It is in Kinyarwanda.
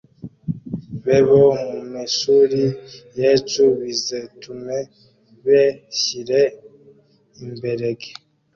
bebo mumeshuri yecu bizetume beshyire imberege